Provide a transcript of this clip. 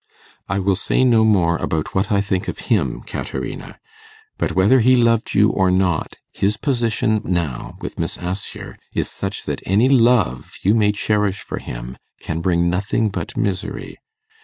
'I will say no more about what I think of him, Caterina. But whether he loved you or not, his position now with Miss Assher is such that any love you may cherish for him can bring nothing but misery.